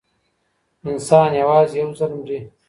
انسان یوازې یو ځل مري.